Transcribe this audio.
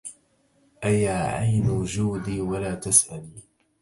أيا عين جودي ولا تسأمي